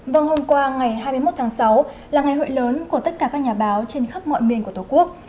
vâng hôm qua ngày hai mươi một tháng sáu là ngày hội lớn của tất cả các nhà báo trên khắp mọi miền của tổ quốc